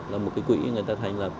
là một cái quỹ người ta thành lập